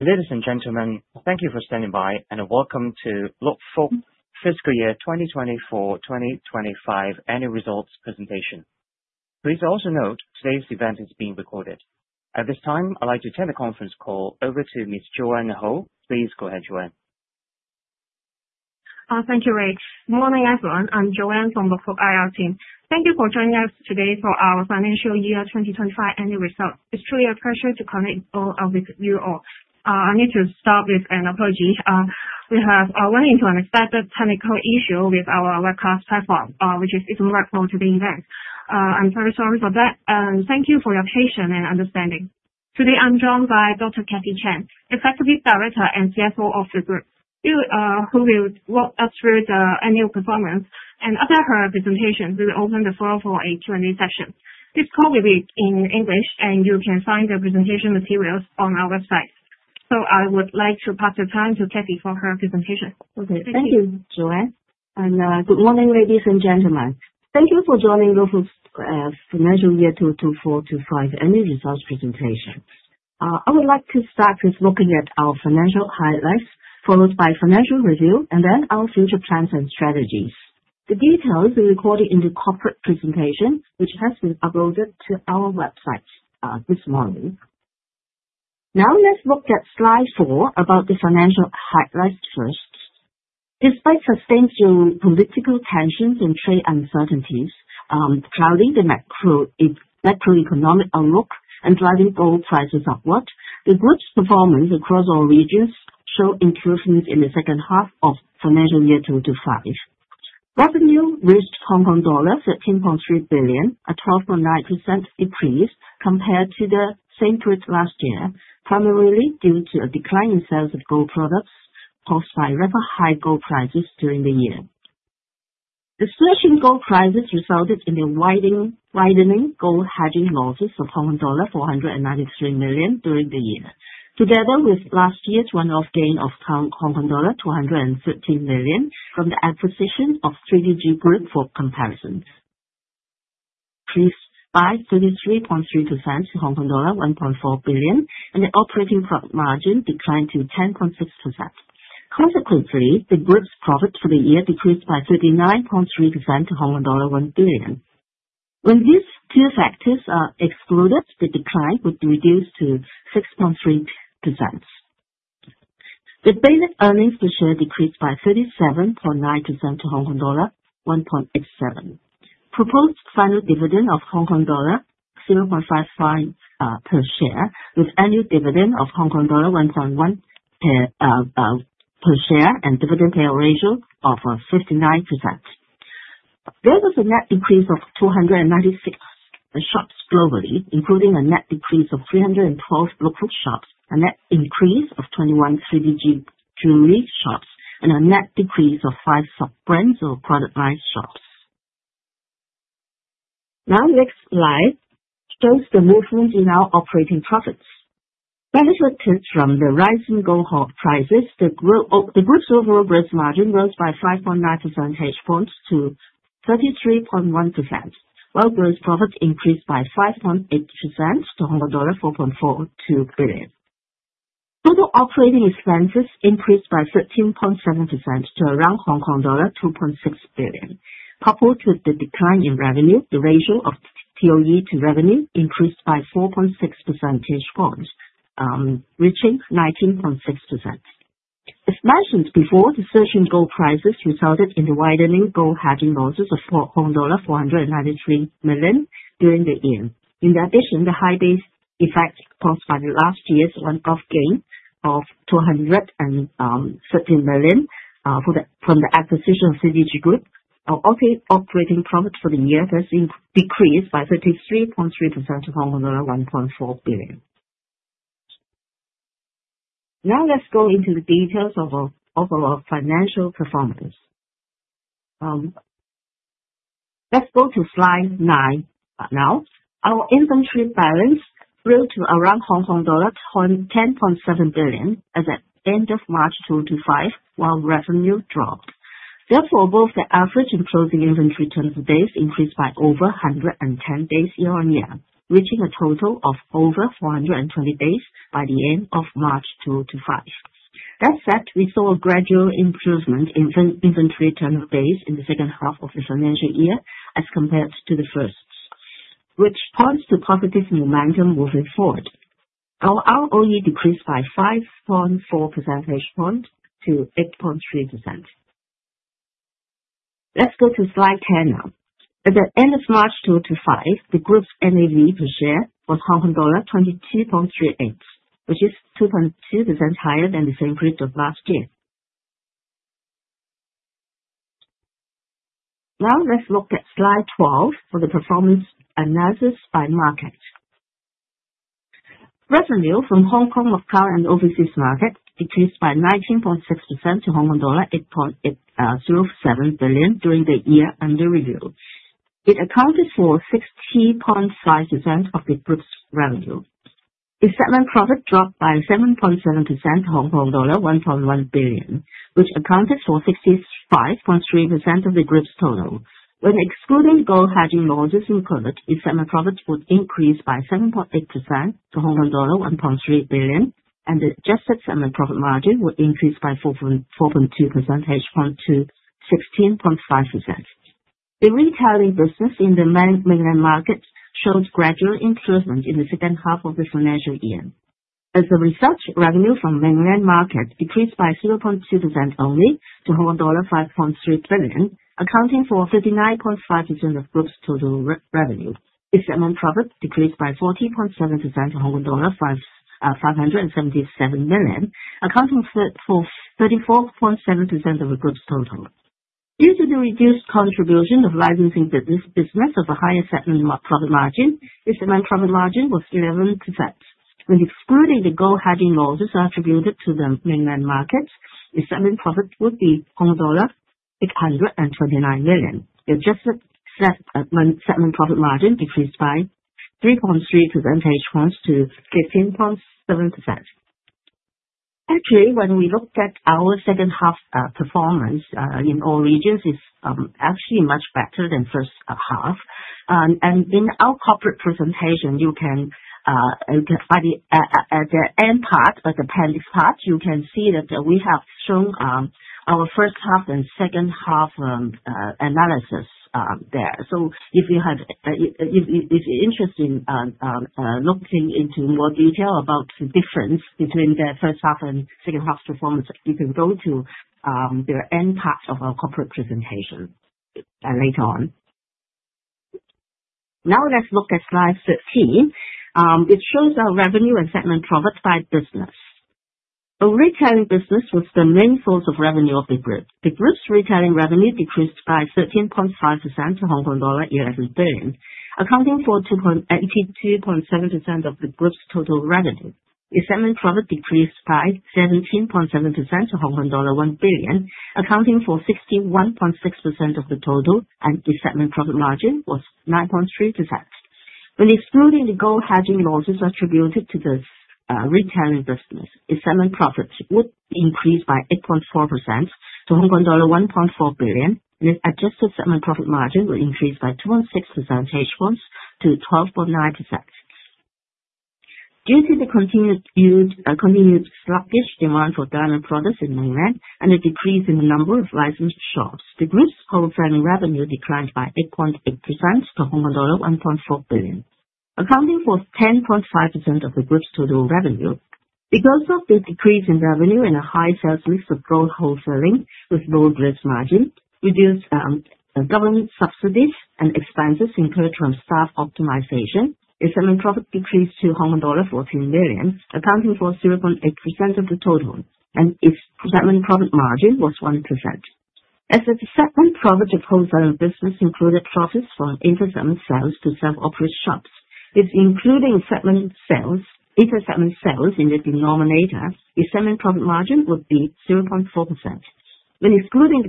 Ladies and gentlemen, thank you for standing by, and welcome to Luk Fook Fiscal Year 2024-2025 Annual Results Presentation. Please also note today's event is being recorded. At this time, I'd like to turn the conference call over to Ms. Joanne Ho. Please go ahead, Joanne. Thank you, Ray. Good morning, everyone. I'm Joanne from the Luk Fook IR team. Thank you for joining us today for our Financial Year 2025 Annual Results. It's truly a pleasure to connect all of you. I need to start with an apology. We have run into an unexpected technical issue with our webcast platform, which is irrelevant to the event. I'm very sorry for that, and thank you for your patience and understanding. Today, I'm joined by Dr. Kathy Chan, Executive Director and CFO of the group, who will walk us through the annual performance. After her presentation, we will open the floor for a Q&A session. This call will be in English, and you can find the presentation materials on our website. I would like to pass the time to Kathy for her presentation. Thank you, Joanne. Good morning, ladies and gentlemen. Thank you for joining Luk Fook's Financial Year 2024-2025 Annual Results Presentation. I would like to start with looking at our financial highlights, followed by financial review, and then our future plans and strategies. The details will be recorded in the corporate presentation, which has been uploaded to our website this morning. Now, let's look at slide four about the financial highlights first. Despite sustained geopolitical tensions and trade uncertainties clouding the macroeconomic outlook and driving gold prices upward, the group's performance across all regions showed improvements in the second half of Financial Year 2025. Revenue reached Hong Kong dollar 13.3 billion, a 12.9% decrease compared to the same period last year, primarily due to a decline in sales of gold products caused by record-high gold prices during the year. The surging gold prices resulted in the widening gold hedging losses of Hong Kong dollar 493 million during the year, together with last year's run-off gain of Hong Kong dollar 213 million from the acquisition of 3DG Group for comparison. Please. By 33.3% to Hong Kong dollar 1.4 billion, and the operating profit margin declined to 10.6%. Consequently, the group's profit for the year decreased by 39.3% to 1 billion. When these two factors are excluded, the decline would be reduced to 6.3%. The basic earnings per share decreased by 37.9% to Hong Kong dollar 1.87. Proposed final dividend of Hong Kong dollar 0.55 per share, with annual dividend of Hong Kong dollar 1.1 per share and dividend payout ratio of 59%. There was a net decrease of 296 shops globally, including a net decrease of 312 Luk Fook shops, a net increase of 21 3DG jewelry shops, and a net decrease of five soft brands or productized shops. Now, the next slide shows the movement in our operating profits. Benefited from the rising gold prices, the group's overall gross margin rose by 5.9% - 33.1%, while gross profit increased by 5.8% to HKD 4.42 billion. Total operating expenses increased by 13.7% to around Hong Kong dollar 2.6 billion. Coupled with the decline in revenue, the ratio of TOE to revenue increased by 4.6%, reaching 19.6%. As mentioned before, the surging gold prices resulted in the widening gold hedging losses of dollar 493 million during the year. In addition, the high base effect was caused by last year's run-off gain of 213 million from the acquisition of 3DG Group. Our operating profit for the year has decreased by 33.3% to Hong Kong dollar 1.4 billion. Now, let's go into the details of our financial performance. Let's go to slide nine now. Our inventory balance grew to around Hong Kong dollar 10.7 billion at the end of March 2025, while revenue dropped. Therefore, both the average and closing inventory terms base increased by over 110 basis points year on year, reaching a total of over 420 basis points by the end of March 2025. That said, we saw a gradual improvement in inventory terms base in the second half of the financial year as compared to the first, which points to positive momentum moving forward. Our ROE decreased by 5.4% - 8.3%. Let's go to slide 10 now. At the end of March 2025, the group's NAV per share was HKD 22.38, which is 2.2% higher than the same period of last year. Now, let's look at slide 12 for the performance analysis by market. Revenue from Hong Kong, Macau, and overseas markets decreased by 19.6% to Hong Kong dollar 8.07 billion during the year under review. It accounted for 60.5% of the group's revenue. Investment profit dropped by 7.7% to Hong Kong dollar 1.1 billion, which accounted for 65.3% of the group's total. When excluding gold hedging losses included, investment profit would increase by 7.8% to HKD 1.3 billion, and the adjusted investment profit margin would increase by 4.2% - 16.5%. The retailing business in the Mainland markets showed gradual improvement in the second half of the financial year. As a result, revenue from Mainland markets decreased by 0.2% only to Hong Kong dollar 5.3 billion, accounting for 39.5% of the group's total revenue. Investment profit decreased by 40.7% to HKD 577 million, accounting for 34.7% of the group's total. Due to the reduced contribution of licensing business of a higher settlement profit margin, investment profit margin was 11%. When excluding the gold hedging losses attributed to the Mainland markets, investment profit would be dollar 829 million. The adjusted investment profit margin decreased by 3.3% hedge funds to 15.7%. Actually, when we looked at our second half performance in all regions, it's actually much better than the first half. In our corporate presentation, you can find the end part, but the panelist part, you can see that we have shown our first half and second half analysis there. If you have interest in looking into more detail about the difference between the first half and second half performance, you can go to the end part of our corporate presentation later on. Now, let's look at slide 13. It shows our revenue and settlement profit by business. Our retailing business was the main source of revenue of the group. The group's retailing revenue decreased by 13.5% to 11 billion Hong Kong dollar, accounting for 82.7% of the group's total revenue. Investment profit decreased by 17.7% to Hong Kong dollar 1 billion, accounting for 61.6% of the total, and the settlement profit margin was 9.3%. When excluding the gold hedging losses attributed to the retailing business, investment profit would increase by 8.4% to Hong Kong dollar 1.4 billion, and the adjusted settlement profit margin would increase by 2.6% -12.9%. Due to the continued sluggish demand for diamond products in Mainland and the decrease in the number of licensed shops, the group's wholesaling revenue declined by 8.8% to Hong Kong dollar 1.4 billion, accounting for 10.5% of the group's total revenue. Because of the decrease in revenue and a high sales lease of gold wholesaling with low gross margin, reduced government subsidies and expenses incurred from staff optimization, investment profit decreased to 14 million, accounting for 0.8% of the total, and its settlement profit margin was 1%. As the settlement profit of wholesaling business included profits from intersettlement sales to self-operated shops, including intersettlement sales in the denominator, the settlement profit margin would be 0.4%. When excluding the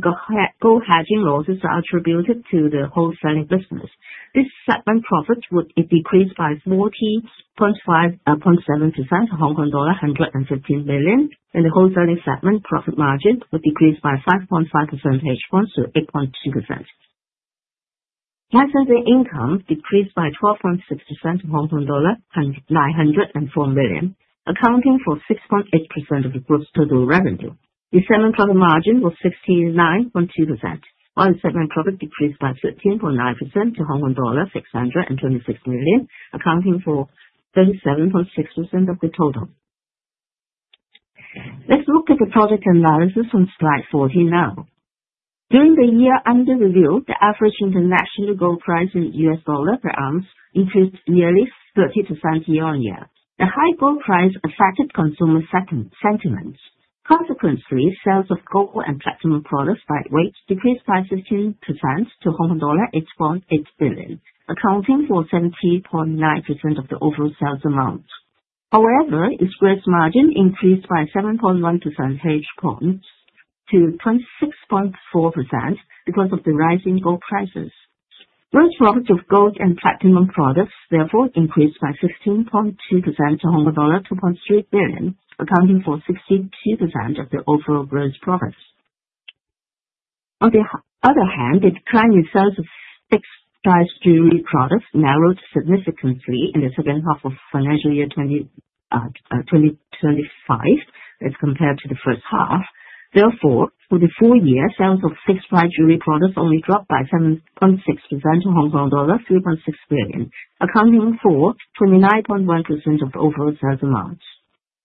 gold hedging losses attributed to the wholesaling business, this settlement profit would decrease by 40.7% to Hong Kong dollar 115 million, and the wholesaling settlement profit margin would decrease by 5.5% - 8.2%. Licensing income decreased by 12.6% to 904 million Hong Kong dollar, accounting for 6.8% of the group's total revenue. The settlement profit margin was 69.2%, while the settlement profit decreased by 13.9% to Hong Kong dollar 626 million, accounting for 37.6% of the total. Let's look at the project analysis from slide 14 now. During the year under review, the average international gold price in US dollars per ounce increased nearly 30% year-on-year. The high gold price affected consumer sentiment. Consequently, sales of gold and platinum products by weight decreased by 15% to Hong Kong dollar 8.8 billion, accounting for 70.9% of the overall sales amount. However, its gross margin increased by 7.1% -26.4% because of the rising gold prices. Gross profit of gold and platinum products therefore increased by 15.2% to Hong Kong dollar 2.3 billion, accounting for 62% of the overall gross profits. On the other hand, the decline in sales of fixed price jewelry products narrowed significantly in the second half of financial year 2025 as compared to the first half. Therefore, for the full year, sales of fixed price jewelry products only dropped by 7.6% to Hong Kong dollar 3.6 billion, accounting for 29.1% of the overall sales amount.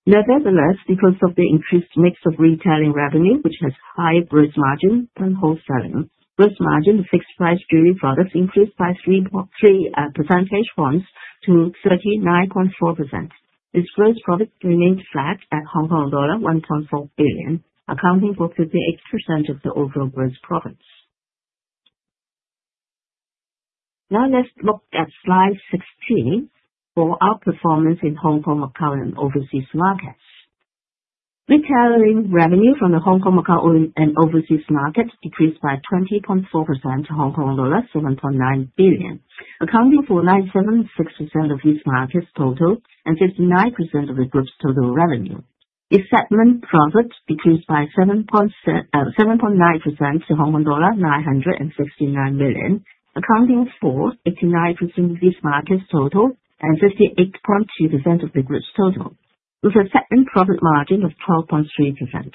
Nevertheless, because of the increased mix of retailing revenue, which has higher gross margin than wholesaling, gross margin of fixed price jewelry products increased by 3% - 39.4%. Its gross profit remained flat at Hong Kong dollar 1.4 billion, accounting for 58% of the overall gross profits. Now, let's look at slide 16 for our performance in Hong Kong, Macau, and overseas markets. Retailing revenue from the Hong Kong, Macau, and overseas markets decreased by 20.4% to Hong Kong dollar 7.9 billion, accounting for 97.6% of these markets' total and 59% of the group's total revenue. Its settlement profit decreased by 7.9% to Hong Kong dollar 969 million, accounting for 89% of these markets' total and 58.2% of the group's total, with a settlement profit margin of 12.3%.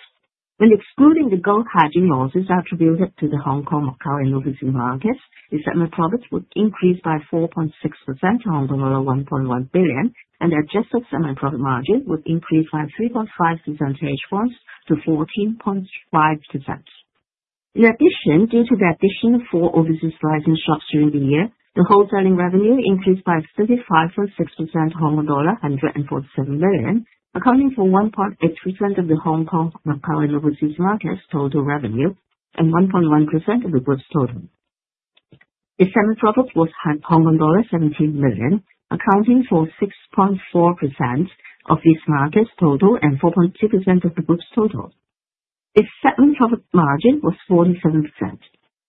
When excluding the gold hedging losses attributed to the Hong Kong, Macau, and overseas markets, the settlement profit would increase by 4.6% to 1.1 billion, and the adjusted settlement profit margin would increase by 3.5 percentage points to 14.5%. In addition, due to the addition of four overseas licensed shops during the year, the wholesaling revenue increased by 35.6% to Hong Kong dollar 147 million, accounting for 1.8% of the Hong Kong, Macau, and overseas markets total revenue and 1.1% of the group's total. Its settlement profit was HKD 17 million, accounting for 6.4% of these markets total and 4.2% of the group's total. Its settlement profit margin was 47%.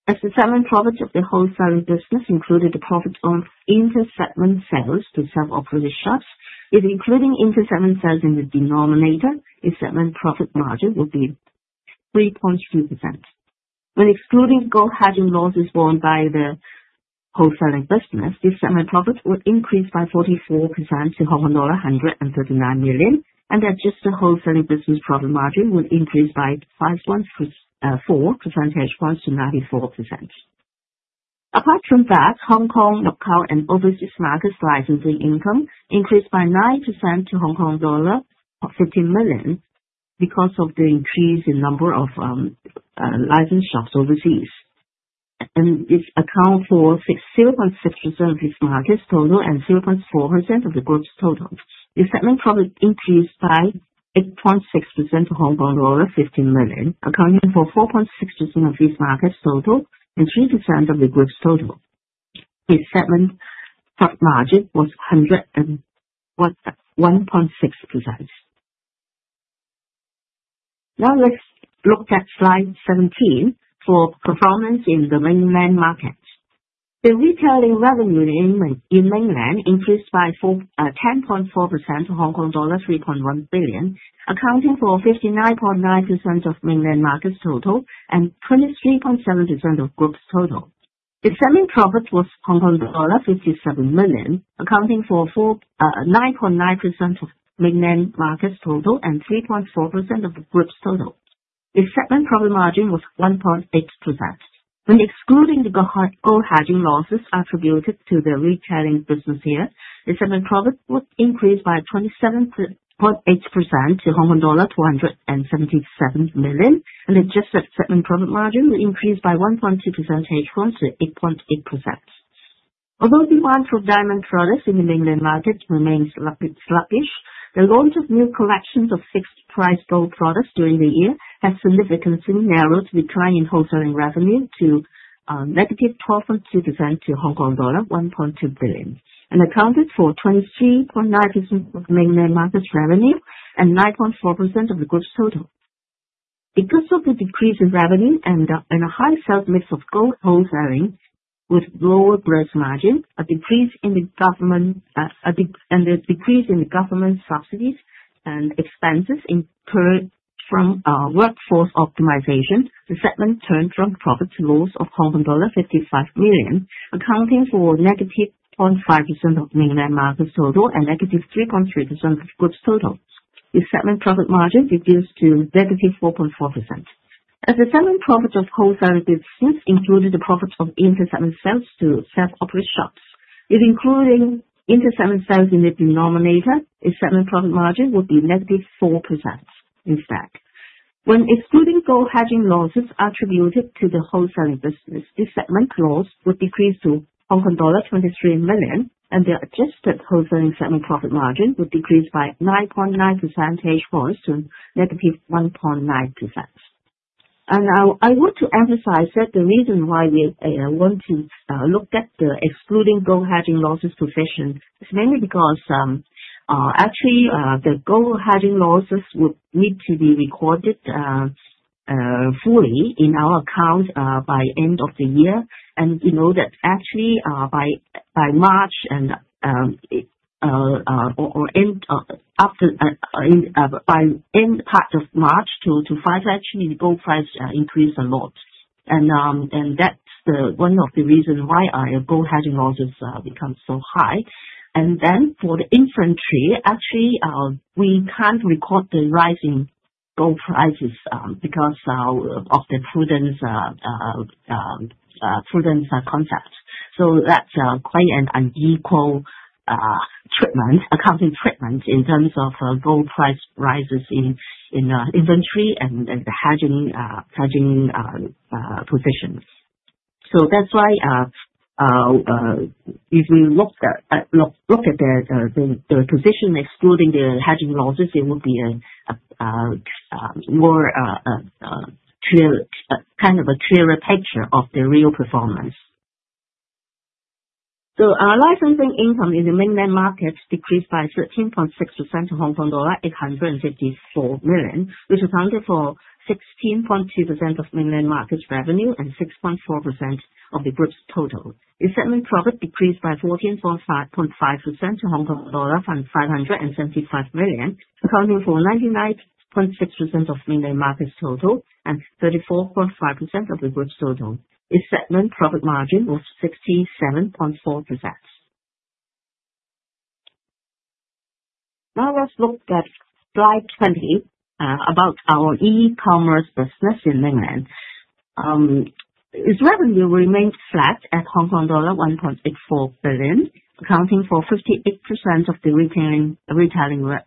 As the settlement profit of the wholesaling business included the profit on intersettlement sales to self-operated shops, with including intersettlement sales in the denominator, its settlement profit margin would be 3.2%. When excluding gold hedging losses borne by the wholesaling business, this settlement profit would increase by 44% to 139 million, and the adjusted wholesaling business profit margin would increase by 5.4% -94%. Apart from that, Hong Kong, Macau, and overseas markets licensing income increased by 9% to Hong Kong dollar 15 million because of the increase in number of licensed shops overseas, and this accounts for 0.6% of these markets total and 0.4% of the group's total. The settlement profit increased by 8.6% to 15 million, accounting for 4.6% of these markets total and 3% of the group's total. Its settlement profit margin was 1.6%. Now, let's look at slide 17 for performance in the Mainland markets. The retailing revenue in Mainland increased by 10.4% to Hong Kong dollar 3.1 billion, accounting for 59.9% of Mainland markets total and 23.7% of group's total. Its settlement profit was 57 million Hong Kong dollar, accounting for 9.9% of Mainland markets total and 3.4% of the group's total. Its settlement profit margin was 1.8%. When excluding the gold hedging losses attributed to the retailing business here, the settlement profit would increase by 27.8% to Hong Kong dollar 277 million, and the adjusted settlement profit margin would increase by 1.2% -8.8%. Although demand for diamond products in the Mainland market remains sluggish, the launch of new collections of fixed-price gold products during the year has significantly narrowed the decline in wholesaling revenue to -12.2% to Hong Kong dollar 1.2 billion, and accounted for 23.9% of Mainland markets revenue and 9.4% of the group's total. Because of the decrease in revenue and a high sales mix of gold wholesaling with lower gross margin, a decrease in the government subsidies and expenses incurred from workforce optimization, the settlement turned from profit to loss of Hong Kong dollar 55 million, accounting for -0.5% of Mainland markets total and -3.3% of group's total. Its settlement profit margin decreased to -4.4%. As the settlement profit of wholesaling businesses included the profit of intersettlement sales to self-operated shops, with including intersettlement sales in the denominator, its settlement profit margin would be -4% instead. When excluding gold hedging losses attributed to the wholesaling business, this settlement loss would decrease to Hong Kong dollar 23 million, and the adjusted wholesaling settlement profit margin would decrease by 9.9% to -1.9%. I want to emphasize that the reason why we want to look at the excluding gold hedging losses position is mainly because, actually, the gold hedging losses would need to be recorded fully in our account by end of the year. We know that actually, by March and, or end after, by end part of March to Friday, actually, the gold price increased a lot. That is one of the reasons why our gold hedging losses become so high. For the inventory, actually, we can't record the rising gold prices, because of the prudence concept. That is quite an unequal accounting treatment in terms of gold price rises in inventory and the hedging positions. That is why, if we look at the position excluding the hedging losses, it would be a more, kind of a clearer picture of the real performance. Our licensing income in the Mainland markets decreased by 13.6% to Hong Kong dollar 854 million, which accounted for 16.2% of Mainland markets revenue and 6.4% of the group's total. Its settlement profit decreased by 14.5% to 575 million Hong Kong dollar, accounting for 99.6% of Mainland markets total and 34.5% of the group's total. Its settlement profit margin was 67.4%. Now let's look at slide 20, about our e-commerce business in Mainland. Its revenue remained flat at Hong Kong dollar 1.84 billion, accounting for 58% of the retailing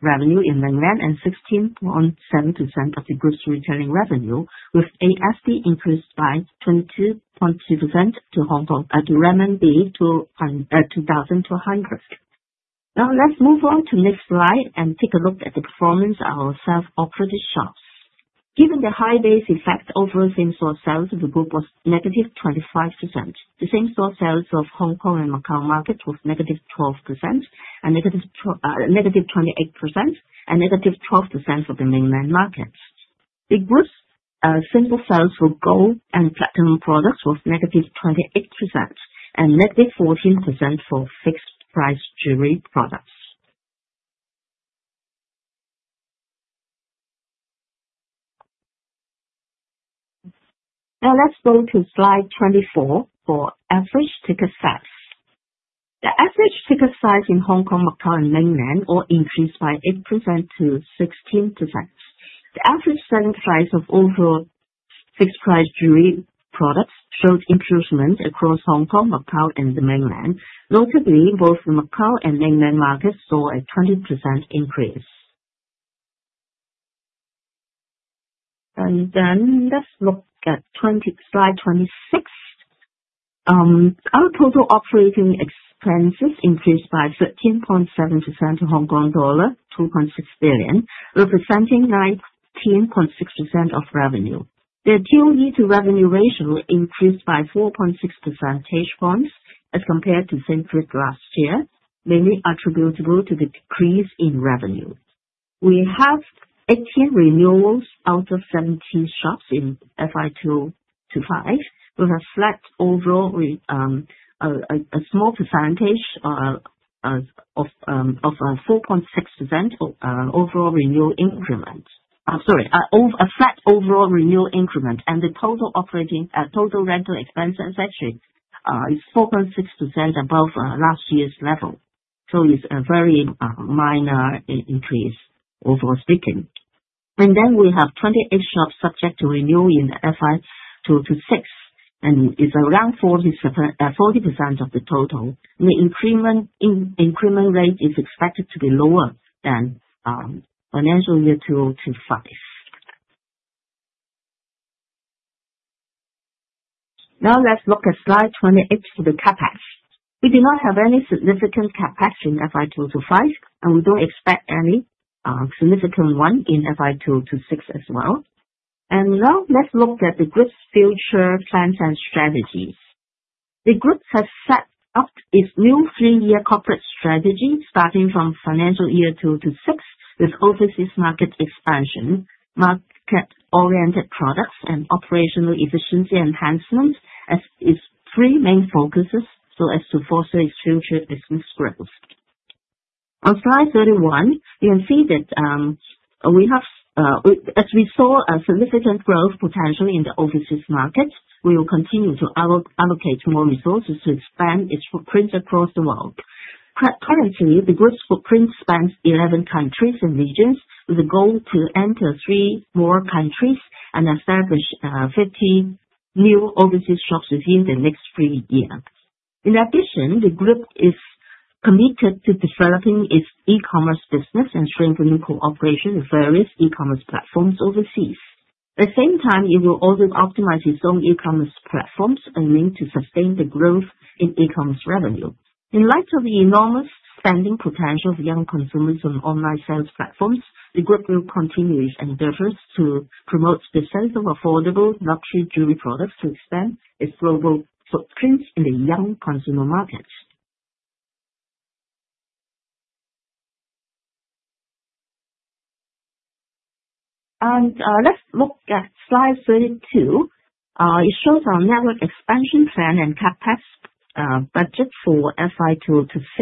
revenue in Mainland and 16.7% of the group's retailing revenue, with ASP increased by 22.2% to 2,200. Now let's move on to the next slide and take a look at the performance of our self-operated shops. Given the high base effect of wholesale sales, the group was negative 25%. The same store sales of Hong Kong and Macau markets was negative 12% and negative 28% and negative 12% for the Mainland markets. The group's single sales for gold and platinum products was negative 28% and negative 14% for fixed-price jewelry products. Now let's go to slide 24 for average ticket size. The average ticket size in Hong Kong, Macau, and Mainland all increased by 8%-16%. The average selling price of overall fixed-price jewelry products showed improvement across Hong Kong, Macau, and the Mainland. Notably, both the Macau and Mainland markets saw a 20% increase. Let's look at slide 26. Our total operating expenses increased by 13.7% to Hong Kong dollar 2.6 billion, representing 19.6% of revenue. Their QE to revenue ratio increased by 4.6% as compared to the same period last year, mainly attributable to the decrease in revenue. We have 18 renewals out of 17 shops in FY2025, with a slight overall, a small percentage of a 4.6% overall renewal increment. I'm sorry, a flat overall renewal increment, and the total rental expenses actually is 4.6% above last year's level. It's a very minor increase, overall speaking. We have 28 shops subject to renewal in FY2026, and it's around 40% of the total. The increment rate is expected to be lower than financial year 2025. Now let's look at slide 28 for the CapEx. We do not have any significant CapEx in FY2025, and we do not expect any significant one in FY2026 as well. Now let's look at the group's future plans and strategies. The group has set up its new three-year corporate strategy starting from financial year 2026 with overseas market expansion, market-oriented products, and operational efficiency enhancement as its three main focuses so as to foster its future business growth. On slide 31, you can see that, as we saw significant growth potential in the overseas markets, we will continue to allocate more resources to expand its footprint across the world. Currently, the group's footprint spans 11 countries and regions, with a goal to enter three more countries and establish 50 new overseas shops within the next three years. In addition, the group is committed to developing its e-commerce business and strengthening cooperation with various e-commerce platforms overseas. At the same time, it will also optimize its own e-commerce platforms and need to sustain the growth in e-commerce revenue. In light of the enormous spending potential of young consumers on online sales platforms, the group will continue its endeavors to promote the sales of affordable luxury jewelry products to expand its global footprint in the young consumer markets. Let's look at slide 32. It shows our network expansion plan and CapEx budget for FY2026.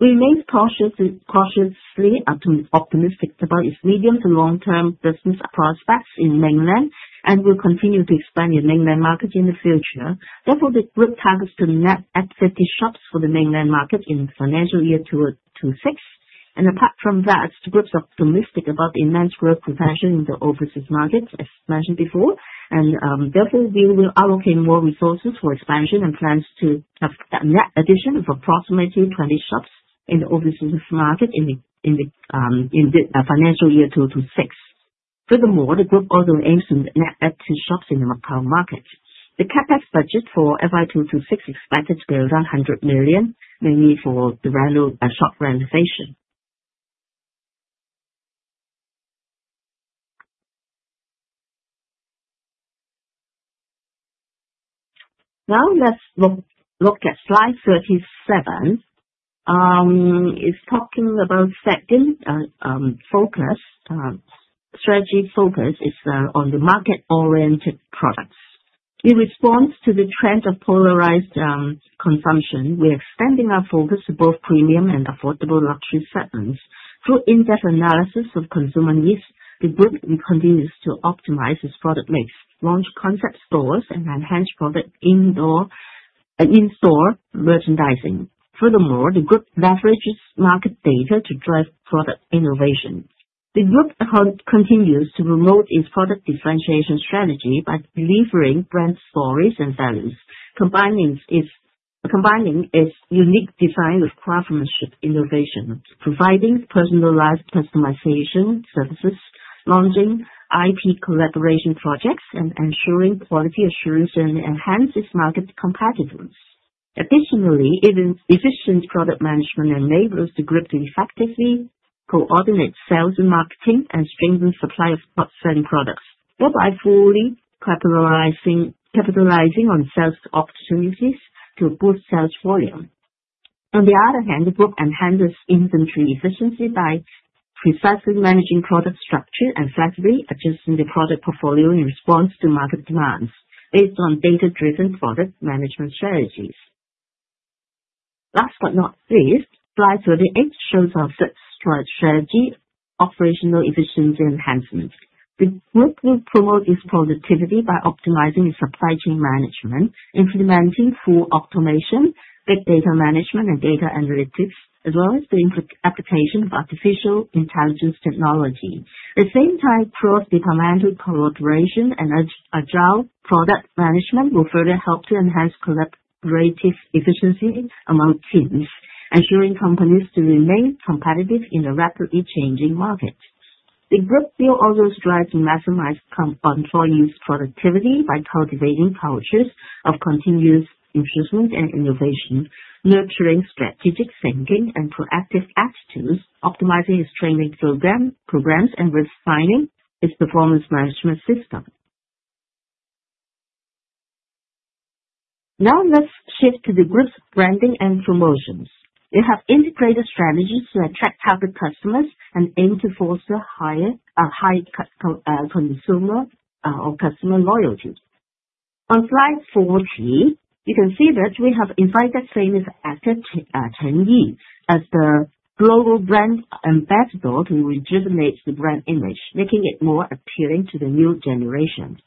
We remain cautiously optimistic about its medium to long-term business prospects in Mainland and will continue to expand in Mainland markets in the future. Therefore, the group targets to net at 50 shops for the Mainland market in financial year 2026. Apart from that, the group's optimistic about the immense growth potential in the overseas markets, as mentioned before. Therefore, we will allocate more resources for expansion and plans to have that net addition of approximately 20 shops in the overseas market in the financial year 2026. Furthermore, the group also aims to net add two shops in the Macau market. The CapEx budget for FY2026 is expected to be around 100 million, mainly for the value shop renovation. Now let's look at slide 37. It is talking about second, focus, strategy focus is on the market-oriented products. In response to the trend of polarized consumption, we are extending our focus to both premium and affordable luxury segments. Through in-depth analysis of consumer needs, the group continues to optimize its product mix, launch concept stores, and enhance product indoor and in-store merchandising. Furthermore, the group leverages market data to drive product innovation. The group continues to promote its product differentiation strategy by delivering brand stories and values, combining its unique design with craftsmanship innovation, providing personalized customization services, launching IP collaboration projects, and ensuring quality assurance and enhancing its market competitiveness. Additionally, even efficient product management enables the group to effectively coordinate sales and marketing and strengthen supply of selling products, thereby fully capitalizing on sales opportunities to boost sales volume. On the other hand, the group enhances inventory efficiency by precisely managing product structure and flexibly adjusting the product portfolio in response to market demands based on data-driven product management strategies. Last but not least, slide 38 shows our sixth strategy, operational efficiency enhancement. The group will promote its productivity by optimizing its supply chain management, implementing full automation, big data management, and data analytics, as well as the application of artificial intelligence technology. At the same time, cross-departmental collaboration and agile product management will further help to enhance collaborative efficiency among teams, ensuring companies remain competitive in a rapidly changing market. The group will also strive to maximize onshore use productivity by cultivating cultures of continuous improvement and innovation, nurturing strategic thinking and proactive attitudes, optimizing its training programs and refining its performance management system. Now let's shift to the group's branding and promotions. We have integrated strategies to attract target customers and aim to foster higher consumer or customer loyalty. On slide 40, you can see that we have invited famous actors and attendees as the global brand ambassador to rejuvenate the brand image, making it more appealing to the new generation.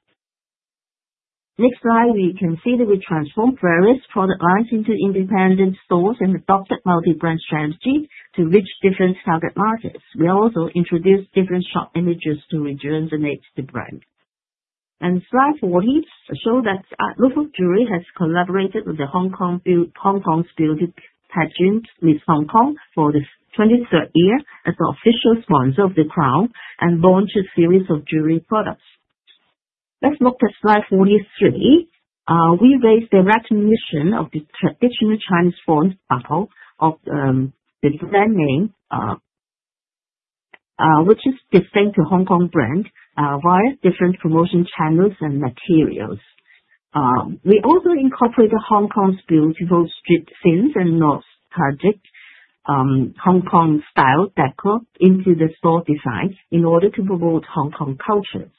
Next slide, you can see that we transformed various product lines into independent stores and adopted multi-brand strategy to reach different target markets. We also introduced different shop images to rejuvenate the brand. Slide 40 shows that Luk Fook Jewelry has collaborated with Hong Kong's beauty pageant Miss Hong Kong for the 23rd year as the official sponsor of the crown and launched a series of jewelry products. Let's look at slide 43. We raised the recognition of the traditional Chinese form buckle of the brand name, which is distinct to Hong Kong brand, via different promotion channels and materials. We also incorporated Hong Kong's beautiful street scenes and nostalgic Hong Kong style decor into the store designs in order to promote Hong Kong culture.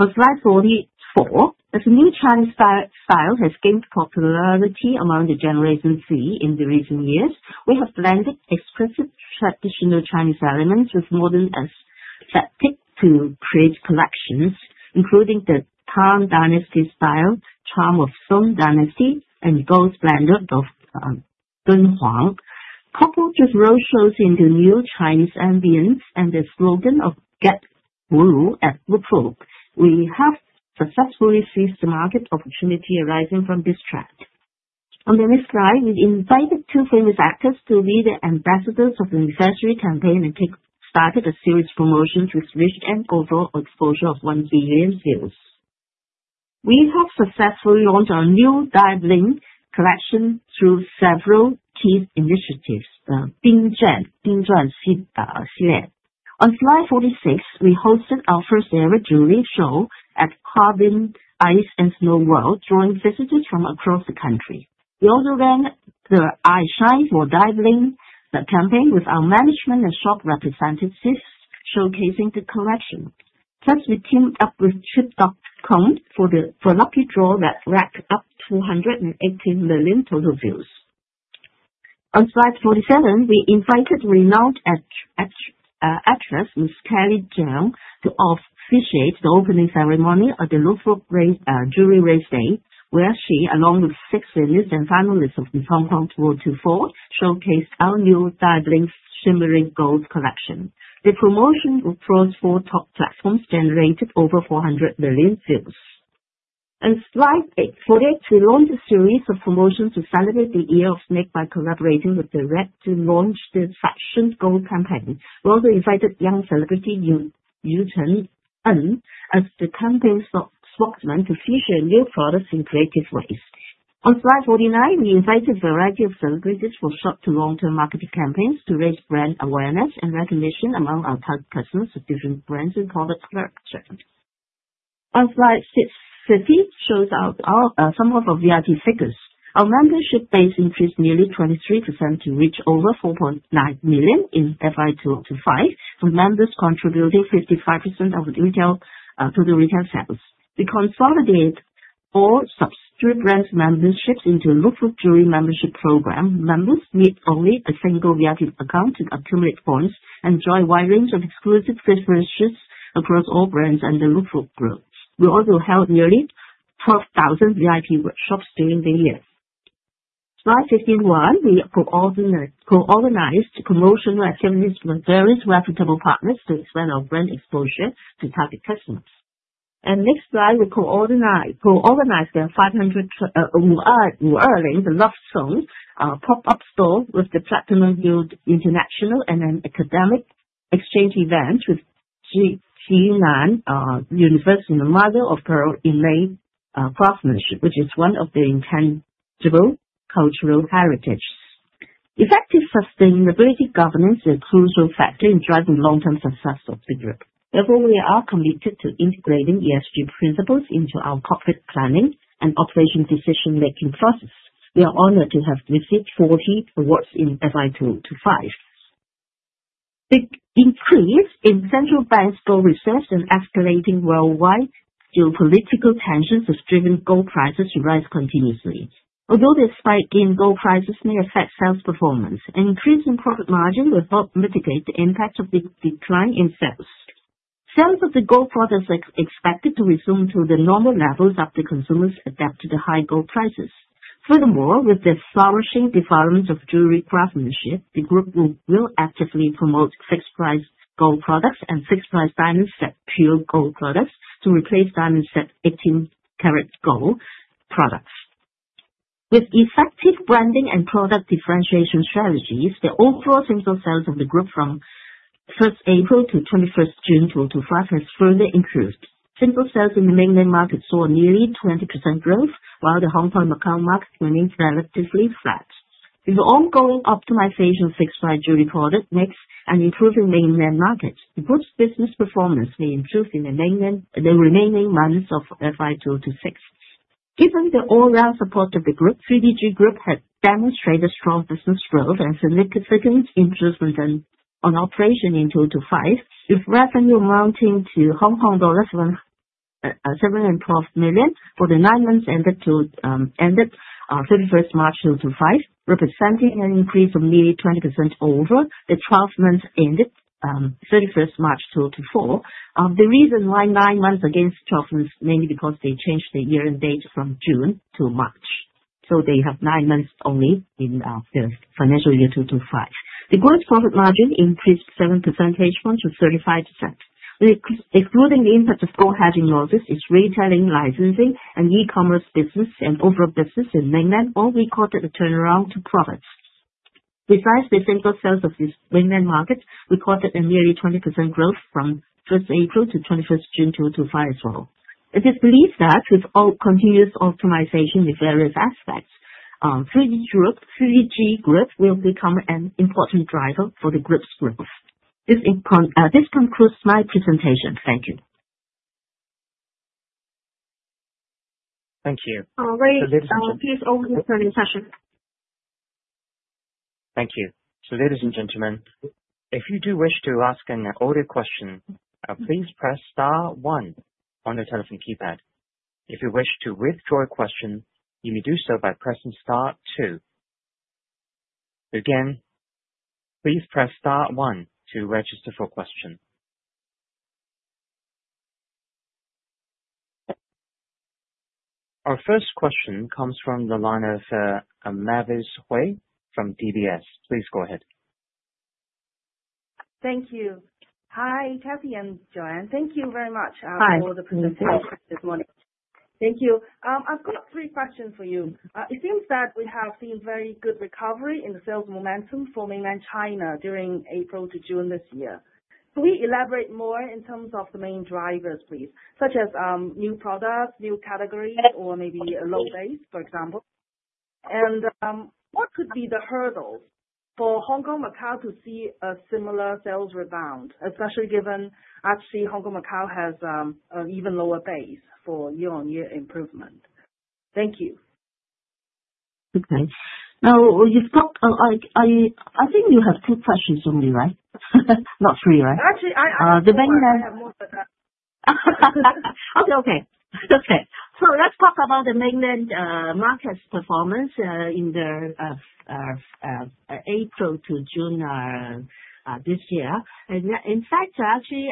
On slide 44, as a new Chinese style has gained popularity among Generation Z in recent years, we have blended expressive traditional Chinese elements with modern aesthetic to create collections, including the Tang Dynasty Style, Charm of Song Dynasty, and Gold Standard of Dunhuang, coupled with roadshows into new Chinese ambiance and the slogan of "Get Wu at Luk Fook." We have successfully seized the market opportunity arising from this trend. On the next slide, we invited two famous actors to lead the ambassadors of the anniversary campaign and kickstarted a series of promotions with reach and overall exposure of 1 billion views. We have successfully launched our new Dive Link collection through several key initiatives, Bing Zhan, Bing Zhan, and Xie Lian. On slide 46, we hosted our first ever jewelry show at Harbin Ice and Snow World, drawing visitors from across the country. We also ran the Eye Shine for Dive Link campaign with our management and shop representatives showcasing the collection. Plus, we teamed up with Trip.com for the lucky draw that racked up 218 million total views. On slide 47, we invited renowned actress Ms. Kelly Jiang to officiate the opening ceremony at the Luk Fook Jewelry Race Day, where she, along with six females and finalists from Hong Kong, showcased our new Dive Link Shimmering Gold collection. The promotion across four top platforms generated over 400 million views. On slide 48, we launched a series of promotions to celebrate the year of snake by collaborating with the rep to launch the Fashion Gold campaign. We also invited young celebrity Yu Chen as the campaign spokesman to feature new products in creative ways. On slide 49, we invited a variety of celebrities for short to long-term marketing campaigns to raise brand awareness and recognition among our target customers of different brands and product collections. Slide 50 shows out some of our VIP figures. Our membership base increased nearly 23% to reach over 4.9 million in FY2025, with members contributing 55% of the total retail sales. We consolidate all subscription brand memberships into the Luk Fook Jewelry membership program. Members need only a single VIP account to accumulate points and enjoy a wide range of exclusive references across all brands and the Luk Fook group. We also held nearly 12,000 VIP workshops during the year. Slide 51, we co-organized promotional activities with various reputable partners to expand our brand exposure to target customers. Next slide, we co-organized the 500 Wu Ling, the Love Song, a pop-up store with Platinum Guild International and an academic exchange event with Xi Nan, a university model of pearl inlaid craftsmanship, which is one of the intangible cultural heritages. Effective sustainability governance is a crucial factor in driving long-term success of the group. Therefore, we are committed to integrating ESG principles into our corporate planning and operation decision-making process. We are honored to have received 40 awards in FY2025. The increase in central bank store reserves and escalating worldwide geopolitical tensions has driven gold prices to rise continuously. Although this spike in gold prices may affect sales performance, an increase in profit margin will help mitigate the impact of the decline in sales. Sales of the gold products are expected to resume to the normal levels after consumers adapt to the high gold prices. Furthermore, with the flourishing development of jewelry craftsmanship, the group will actively promote fixed-price gold products and fixed-price diamond-set pure gold products to replace diamond-set 18-karat gold products. With effective branding and product differentiation strategies, the overall single sales of the group from 1st April to 21st June, 2025, has further improved. Single sales in the Mainland market saw nearly 20% growth, while the Hong Kong and Macau market remained relatively flat. With the ongoing optimization of fixed-price jewelry product mix and improving Mainland markets, the group's business performance may improve in the Mainland and the remaining months of FY2026. Given the overall support of the group, 3DG Group has demonstrated strong business growth and significant improvement on operation in 2025, with revenue amounting to Hong Kong dollars 712 million for the nine months ended to ended 31st March 2025, representing an increase of nearly 20% over the 12 months ended 31st March 2024. The reason why nine months against 12 months is mainly because they changed the year and date from June to March. So they have nine months only in the financial year 2025. The group's profit margin increased 7% -35%. Excluding the impact of gold hedging losses, its retailing, licensing, and e-commerce business and overall business in Mainland all recorded a turnaround to profits. Besides the single sales of these Mainland markets, we recorded a nearly 20% growth from 1st April to 21st June 2025 as well. It is believed that with all continuous optimization in various aspects, 3DG Group will become an important driver for the group's growth. This concludes my presentation. Thank you. Thank you. All right. Ladies and gentlemen, please open the survey session. Thank you. Ladies and gentlemen, if you do wish to ask an audio question, please press star one on the telephone keypad. If you wish to withdraw a question, you may do so by pressing star two. Again, please press star one to register for a question. Our first question comes from the line of Mavis Hui from DBS. Please go ahead. Thank you. Hi, Kathy and Joanne. Thank you very much for the presentation this morning. Thank you. I've got three questions for you. It seems that we have seen very good recovery in the sales momentum for Mainland China during April to June this year. Can we elaborate more in terms of the main drivers, please, such as new products, new categories, or maybe a low base, for example? What could be the hurdle for Hong Kong and Macau to see a similar sales rebound, especially given actually Hong Kong and Macau has an even lower base for year-on-year improvement? Thank you. Okay. Now, you spoke I think you have two questions only, right? Not three, right? Actually, I have more than that. Okay, okay. Okay. Let's talk about the Mainland market's performance in the April to June this year. In fact, actually,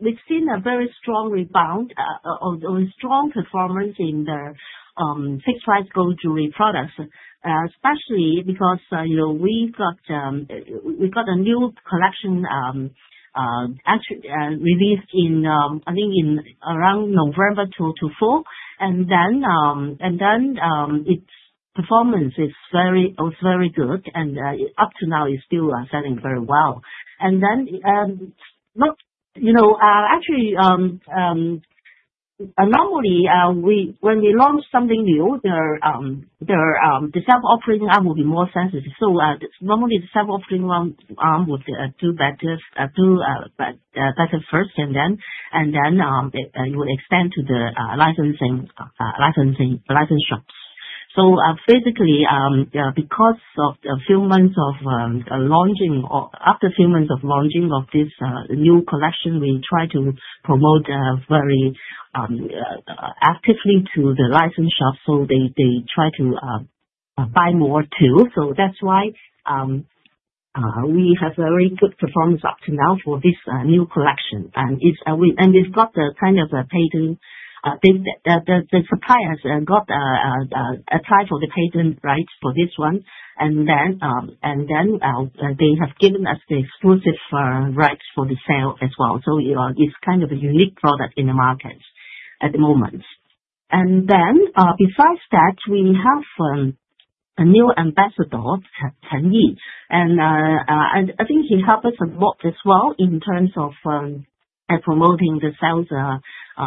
we've seen a very strong rebound or strong performance in the fixed-price gold jewelry products, especially because we've got a new collection actually released in, I think, around November 2024. Its performance was very good, and up to now, it's still selling very well. Normally, when we launch something new, the self-operating arm will be more sensitive. Normally, the self-operating arm would do better first, and then it would expand to the licensing shops. Basically, because of the few months of launching, after a few months of launching of this new collection, we try to promote very actively to the licensed shops. They try to buy more too. That is why we have very good performance up to now for this new collection. We have got the kind of a patent; the suppliers have applied for the patent rights for this one. They have given us the exclusive rights for the sale as well. It is kind of a unique product in the market at the moment. Besides that, we have a new ambassador, Chen Yi. I think he helped us a lot as well in terms of promoting the sales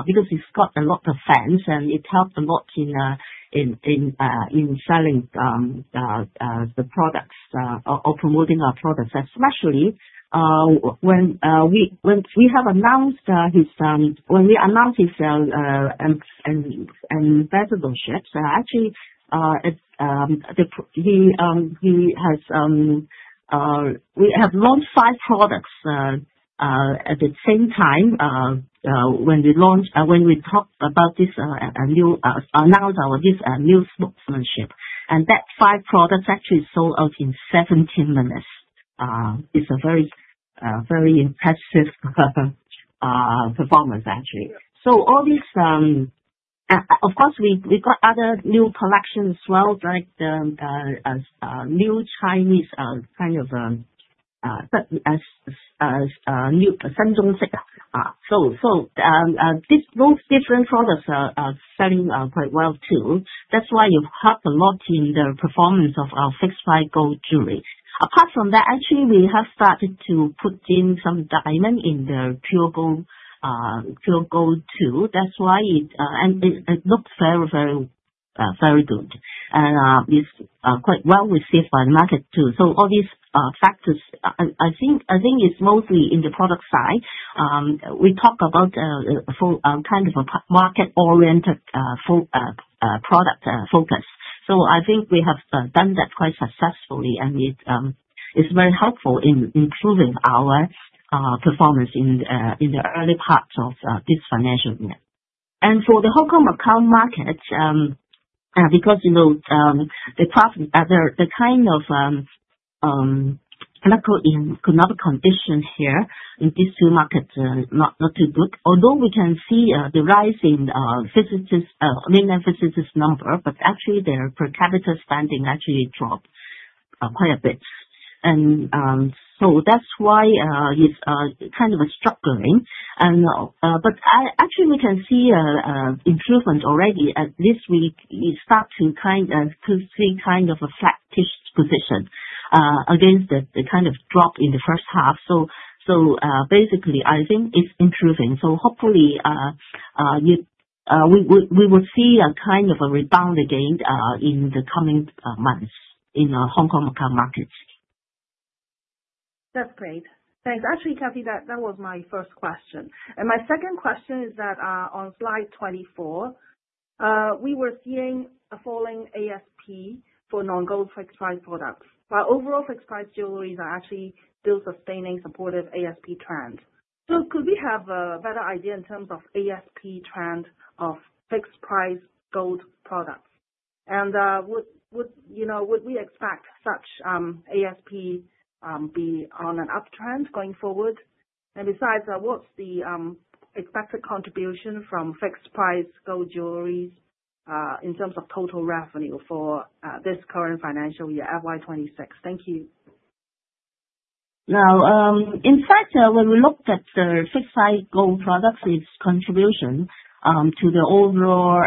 because he's got a lot of fans, and it helped a lot in selling the products or promoting our products, especially when we announced his ambassadorship. Actually, we have launched five products at the same time when we announced our new spokesmanship. That five products actually sold out in 17 minutes. It's a very impressive performance, actually. Of course, we've got other new collections as well, like the new Chinese kind of new Shenzhong. Those different products are selling quite well too. That's why he's helped a lot in the performance of our fixed-price gold jewelry. Apart from that, actually, we have started to put in some diamond in the pure gold too. That's why it looks very, very good. It's quite well received by the market too. All these factors, I think it's mostly in the product side. We talk about kind of a market-oriented product focus. I think we have done that quite successfully, and it's very helpful in improving our performance in the early parts of this financial year. For the Hong Kong and Macau markets, because the kind of economic conditions here in these two markets are not too good, although we can see the rise in Mainland physicists' number, actually, their per capita spending actually dropped quite a bit. That's why it's kind of a struggling. Actually, we can see improvement already. At least we start to see kind of a flat-ish position against the kind of drop in the first half. Basically, I think it's improving. Hopefully, we will see a kind of a rebound again in the coming months in Hong Kong and Macau markets. That's great. Thanks. Actually, Kathy, that was my first question. My second question is that on slide 24, we were seeing a falling ASP for non-gold fixed-price products. Overall, fixed-price jewelries are actually still sustaining supportive ASP trends. Could we have a better idea in terms of ASP trend of fixed-price gold products? Would we expect such ASP be on an uptrend going forward? Besides, what's the expected contribution from fixed-price gold jewelries in terms of total revenue for this current financial year, FY2026? Thank you. In fact, when we looked at the fixed-price gold products, its contribution to the overall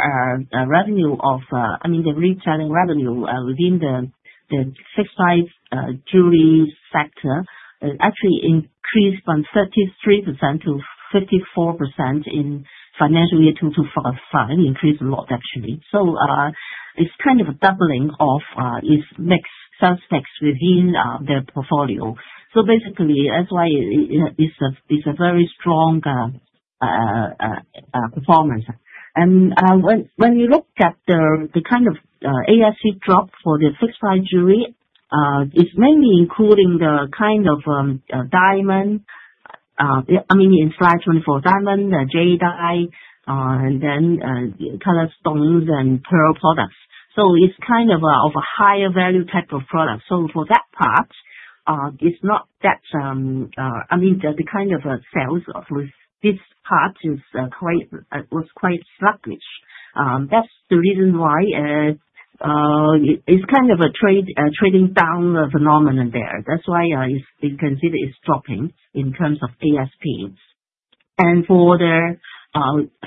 revenue of, I mean, the retailing revenue within the fixed-price jewelry sector actually increased from 33% - 54% in financial year 2025. Increased a lot, actually. It's kind of a doubling of its sales mix within their portfolio. Basically, that's why it's a very strong performance. When we looked at the kind of ASP drop for the fixed-price jewelry, it's mainly including the kind of diamond, I mean, in slide 24, diamond, jade, and then colored stones and pearl products. It's kind of a higher value type of product. For that part, it's not that, I mean, the kind of sales of this part was quite sluggish. That's the reason why it's kind of a trading down phenomenon there. That's why we consider it's dropping in terms of ASPs. For the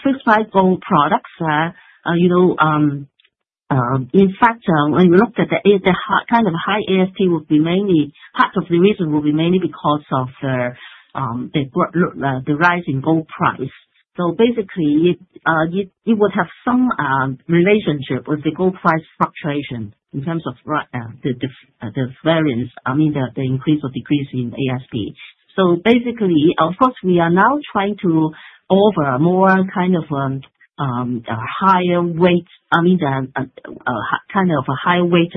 fixed-price gold products, in fact, when we looked at the kind of high ASP, part of the reason will be mainly because of the rise in gold price. Basically, it would have some relationship with the gold price fluctuation in terms of the variance, I mean, the increase or decrease in ASP. Basically, of course, we are now trying to offer more kind of a higher weight, I mean, kind of a high-weight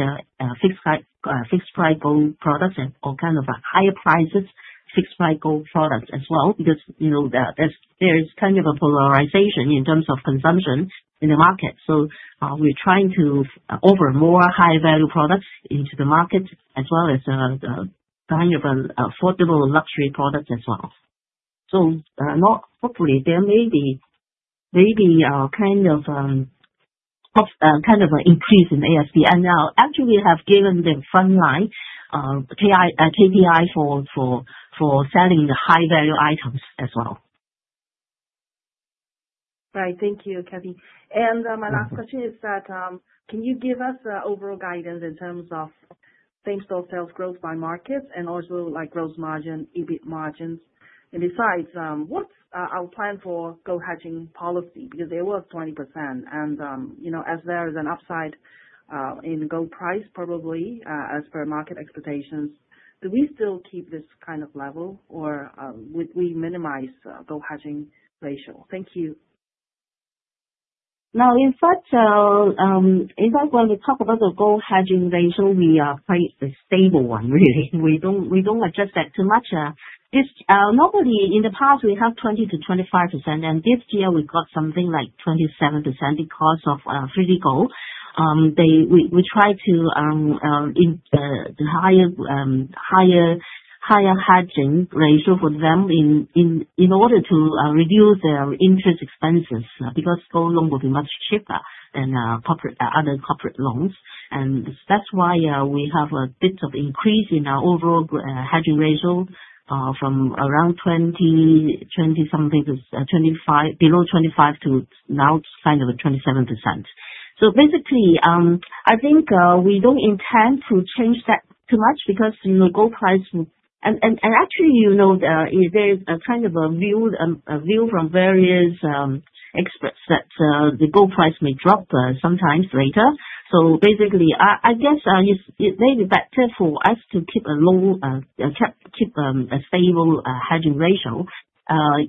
fixed-price gold products or kind of higher prices fixed-price gold products as well because there is kind of a polarization in terms of consumption in the market. We are trying to offer more high-value products into the market as well as kind of affordable luxury products as well. Hopefully, there may be kind of an increase in ASP. Now, actually, we have given the frontline KPI for selling the high-value items as well. Right. Thank you, Kathy. My last question is that can you give us overall guidance in terms of things for sales growth by markets and also gross margin, EBITDA margins? Besides, what's our plan for gold hedging policy? Because it was 20%. As there is an upside in gold price, probably as per market expectations, do we still keep this kind of level or would we minimize gold hedging ratio? Thank you. In fact, when we talk about the gold hedging ratio, we are quite a stable one, really. We do not adjust that too much. Normally, in the past, we have 20%-25%. This year, we got something like 27% because of 3DG Group. We try a higher hedging ratio for them in order to reduce their interest expenses because gold loan will be much cheaper than other corporate loans. That's why we have a bit of increase in our overall hedging ratio from around 20-something to below 25 to now kind of 27%. Basically, I think we don't intend to change that too much because gold price will, and actually, there's kind of a view from various experts that the gold price may drop sometimes later. Basically, I guess it may be better for us to keep a low, keep a stable hedging ratio because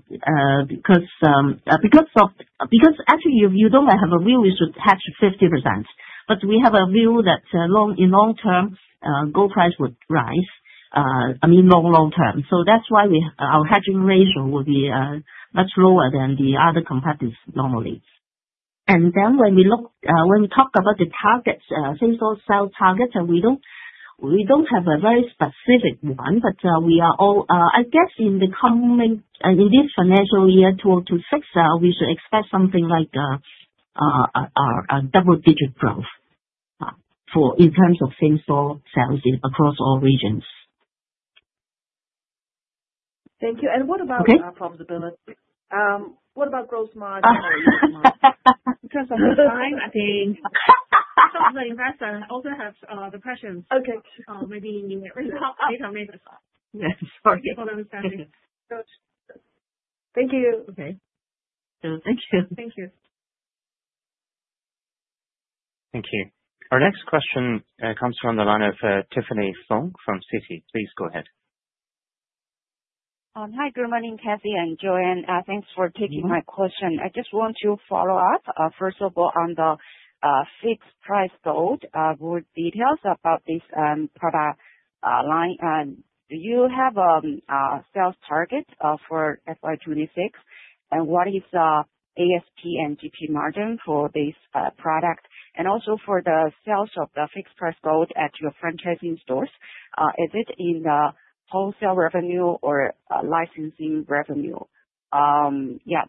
actually, if you don't have a view, we should hedge 50%. We have a view that in long-term, gold price would rise, I mean, long, long-term. That's why our hedging ratio will be much lower than the other competitors normally. When we talk about the targets, things for sales targets, we do not have a very specific one, but we are all, I guess, in this financial year 2026, we should expect something like a double-digit growth in terms of things for sales across all regions. Thank you. What about profitability? What about gross margin or EBITDA margin? Because of the time, I think some of the investors also have the questions. Okay. Maybe you can read out later on. Sorry. I am sorry. Thank you. Okay Thank you. Thank you. Our next question comes from the line of Tiffany Feng from Citi. Please go ahead. Hi, good morning, Kathy. And Joanne, thanks for taking my question. I just want to follow up, first of all, on the fixed-price gold, more details about this product line. Do you have a sales target for FY2026? What is the ASP and GP margin for this product? Also, for the sales of the fixed-price gold at your franchising stores, is it in the wholesale revenue or licensing revenue?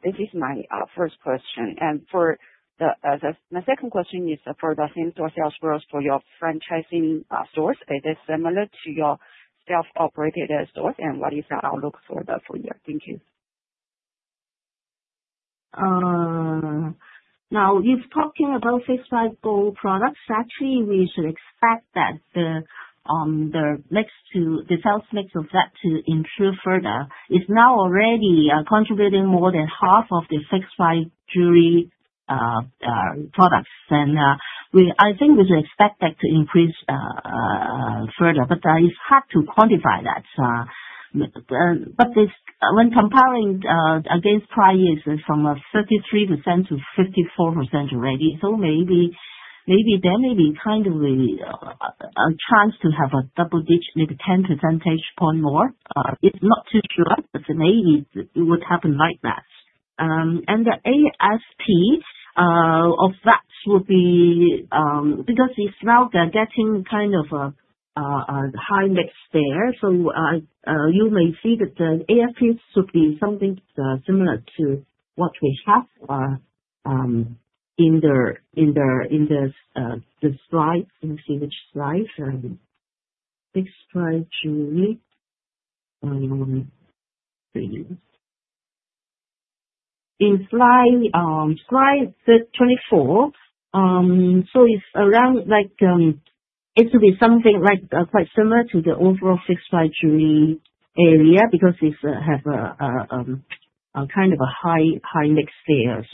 This is my first question. My second question is for the same store sales growth for your franchising stores. Is it similar to your self-operated stores? What is the outlook for the full year? Thank you. If talking about fixed-price gold products, actually, we should expect that the sales mix of that to improve further. It is now already contributing more than half of the fixed-price jewelry products. I think we should expect that to increase further. It is hard to quantify that. When comparing against prior years, it is from 33% - 54% already. Maybe there may be kind of a chance to have a double-digit, maybe 10 percentage point more. It's not too sure, but maybe it would happen like that. The ASP of that would be because it's now getting kind of a high mix there. You may see that the ASPs should be something similar to what we have in the slides. Let me see which slides. Fixed-price jewelry. In slide 24, it's around like it should be something quite similar to the overall fixed-price jewelry area because it has kind of a high mix there.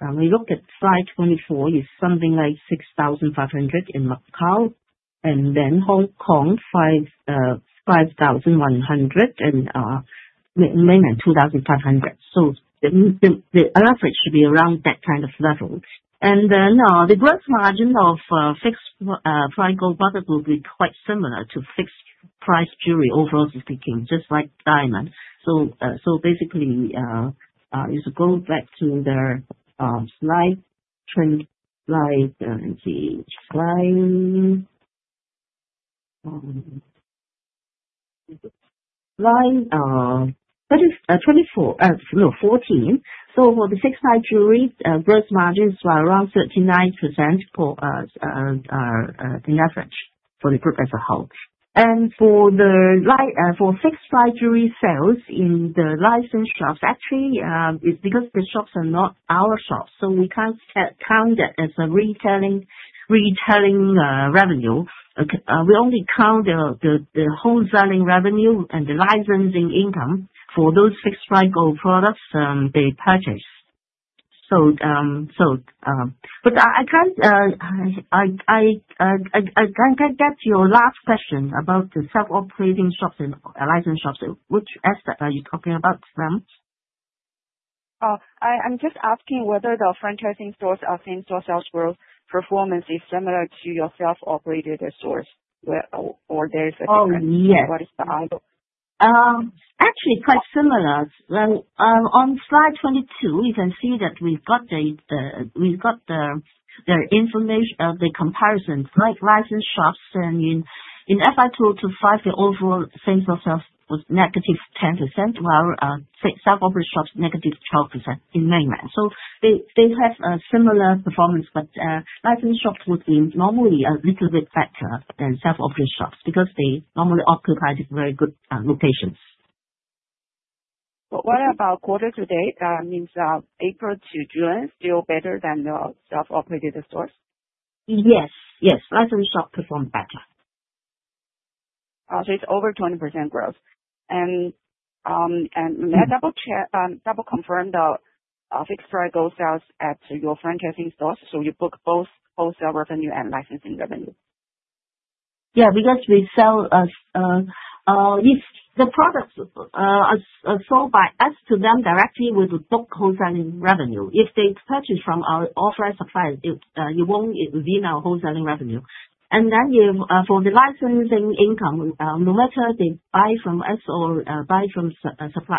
We looked at slide 24, it's something like 6,500 in Macau, and then Hong Kong, 5,100, and Mainland China, 2,500. The average should be around that kind of level. The gross margin of fixed-price gold products will be quite similar to fixed-price jewelry overall speaking, just like diamond. Basically, if you go back to slide 25, let me see. Slide 24, no, 14. For the fixed-price jewelry, gross margins are around 39% on average for the group as a whole. For fixed-price jewelry sales in the licensed shops, actually, it's because the shops are not our shops. We can't count that as retailing revenue. We only count the wholesaling revenue and the licensing income for those fixed-price gold products they purchase. I can't get to your last question about the self-operating shops and licensed shops. Which aspect are you talking about, ma'am? I'm just asking whether the franchising stores' same-store sales growth performance is similar to your self-operated stores, or there's a difference. What is the outlook? Actually, quite similar. On slide 22, you can see that we've got the comparison. Like licensed shops, I mean, in FY2025, the overall same-store sales was -10%, while self-operated shops, -12% in Mainland. They have similar performance, but licensed shops would be normally a little bit better than self-operated shops because they normally occupy very good locations. What about quarter-to-date? That means April to June, still better than the self-operated stores? Yes. Yes. Licensed shops perform better.It is over 20% growth. May I double-confirm the fixed-price gold sales at your franchising stores? You book both wholesale revenue and licensing revenue? Yeah, because we sell the products sold by us to them directly with book wholesaling revenue. If they purchase from our offline suppliers, it will not be in our wholesaling revenue. For the licensing income, no matter they buy from us or buy from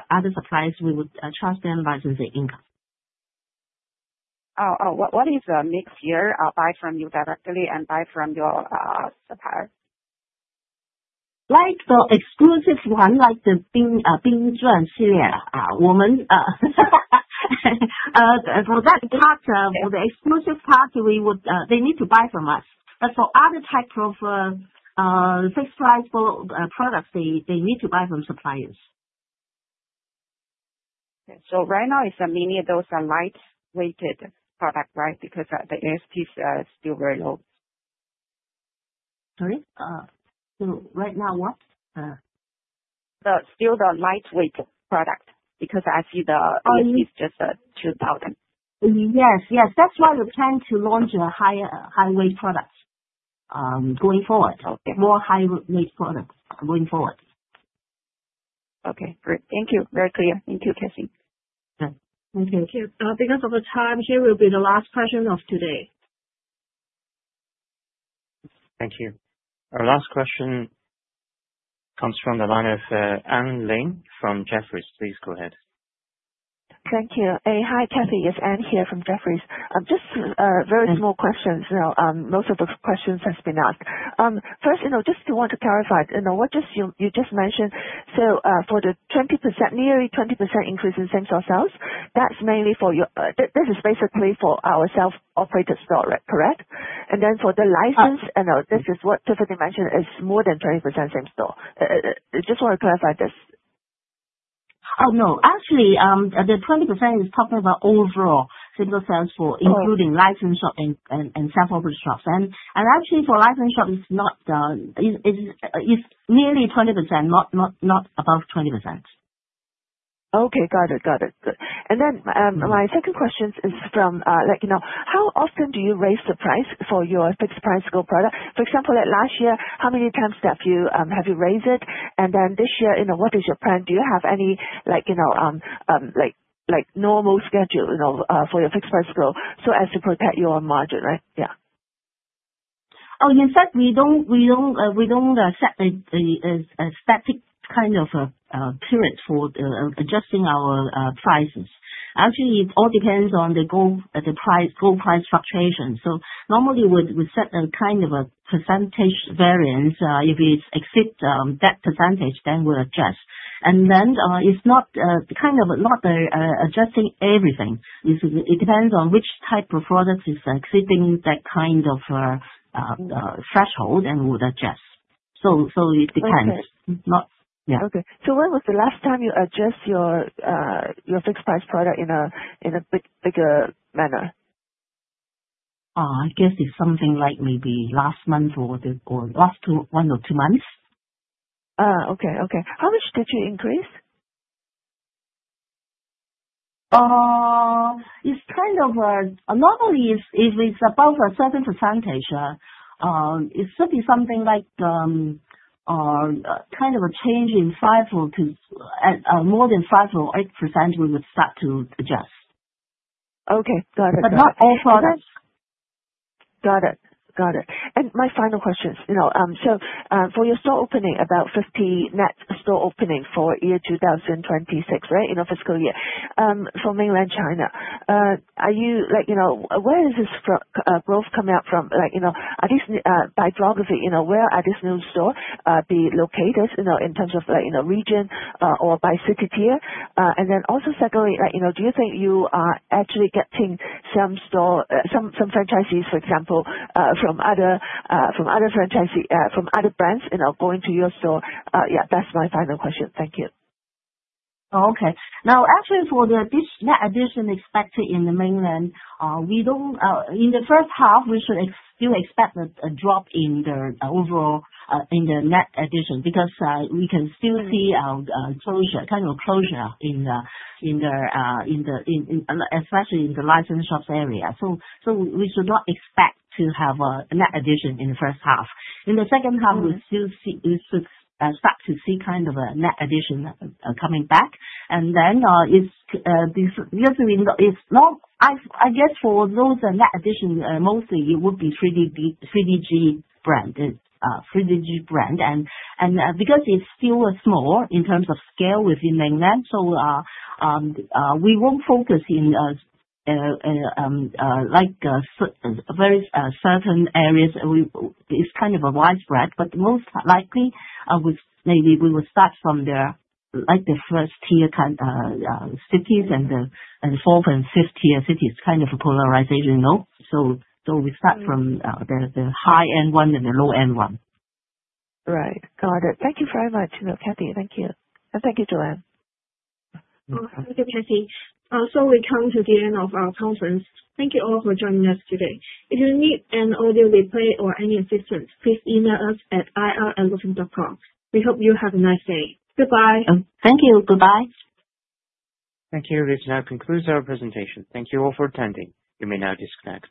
other suppliers, we would charge them licensing income. What is the mix here? Buy from you directly and buy from your suppliers? Like the exclusive one, like the Bing Zhan series. For that part, for the exclusive part, they need to buy from us. For other types of fixed-price products, they need to buy from suppliers. Right now, many of those are light-weighted products, right? Because the ASPs are still very low. Sorry? Right now what? Still the light-weight product because I see the ASP is just 2,000. Yes. Yes. That is why we plan to launch high-weight products going forward. More high-weight products going forward. Okay. Great. Thank you. Very clear. Thank you, Kathy. Thank you. Because of the time here, it will be the last question of today. Thank you. Our last question comes from the line of Anne Ling from Jefferies. Please go ahead. Thank you. Hi, Kathy. It's Anne here from Jefferies. Just very small questions. Most of the questions have been asked. First, just want to clarify. You just mentioned so for the nearly 20% increase in same-store sales, that's mainly for your this is basically for our self-operated store, correct? Then for the licensed, this is what Tiffany mentioned, is more than 20% same-store. Just want to clarify this. Oh, no. Actually, the 20% is talking about overall single sales for including licensed shops and self-operated shops. Actually, for licensed shops, it's nearly 20%, not above 20%. Okay. Got it. Got it. Good. My second question is from how often do you raise the price for your fixed-price gold product? For example, last year, how many times have you raised it? This year, what is your plan? Do you have any normal schedule for your fixed-price gold so as to protect your margin, right? Yeah. Oh, in fact, we don't set a static kind of period for adjusting our prices. Actually, it all depends on the gold price fluctuation. Normally, we set a kind of a percentage variance. If it exceeds that percentage, then we'll adjust. It's kind of not adjusting everything. It depends on which type of product is exceeding that kind of threshold and would adjust. It depends. Yeah. Okay. When was the last time you adjusted your fixed-price product in a bigger manner? I guess it's something like maybe last month or last one or two months. Okay. Okay. How much did you increase? It's kind of a normally, if it's above a certain percentage, it should be something like kind of a change in 5% or more than 5% or 8%, we would start to adjust. Okay. Got it. Not all products. Got it. Got it. My final questions. For your store opening, about 50 net store openings for year 2026, right, fiscal year for mMainland China, are you, where is this growth coming out from? By geography, where are these new stores being located in terms of region or by city tier? Also, secondly, do you think you are actually getting some franchisees, for example, from other franchisees, from other brands going to your store? Yeah, that's my final question. Thank you. Okay. Now, actually, for the net addition expected in the Mainland, in the first half, we should still expect a drop overall in the net addition because we can still see kind of a closure, especially in the licensed shops area. We should not expect to have a net addition in the first half. In the second half, we should start to see kind of a net addition coming back. For those net addition, mostly, it would be 3DG brand. 3DG brand. Because it's still small in terms of scale within Mainland, we won't focus in very certain areas. It's kind of widespread, but most likely, maybe we will start from the first-tier cities and the fourth and fifth-tier cities, kind of a polarization note. We start from the high-end one and the low-end one. Right. Got it. Thank you very much, Kathy. Thank you. And thank you, Joanne. Thank you, Kathy. We come to the end of our conference. Thank you all for joining us today. If you need an audio replay or any assistance, please email us at ir@lufeng.com. We hope you have a nice day. Goodbye. Thank you. Goodbye. Thank you. This now concludes our presentation. Thank you all for attending. You may now disconnect.